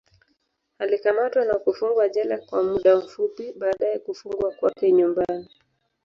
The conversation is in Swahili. Alikamatwa na kufungwa jela kwa muda fupi, baadaye kufungwa kwake nyumbani.